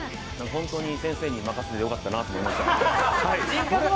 本当に先生に任せてよかったなと思いました。